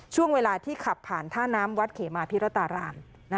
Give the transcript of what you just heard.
ช่วงเวลาที่ขับผ่านท่าน้ำวัดเขมาพิรตาราม